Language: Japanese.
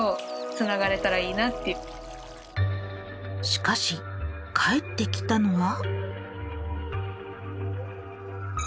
しかし返ってきたのは？